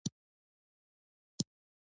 د پښتونخوا د شعرهاروبهار د جيمز اثر دﺉ.